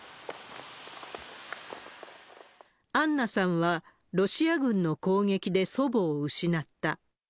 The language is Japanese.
アンナさんは、ロシア軍の攻撃で祖母を失った。